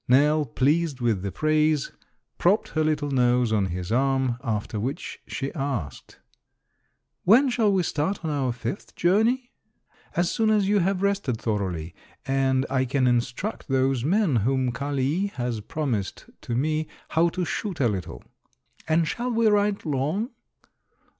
Nell, pleased with the praise, propped her little nose on his arm; after which she asked: "When shall we start on our fifth journey?" "As soon as you have rested thoroughly, and I can instruct those men whom Kali has promised to me how to shoot a little." "And shall we ride long?"